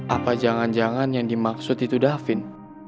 apa jangan jangan yang dimaksud itu davin